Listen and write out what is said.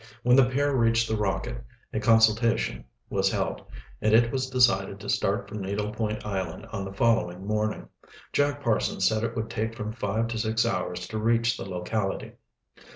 When the pair reached the Rocket a consultation was held, and it was decided to start for Needle Point Island on the following morning. Jack Parsons said it would take from five to six hours to reach the locality.